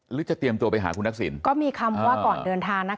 จะเตรียมตัวไปหาคุณทักษิณก็มีคำว่าก่อนเดินทางนะคะ